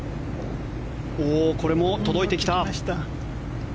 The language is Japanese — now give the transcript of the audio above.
これも届いてきた。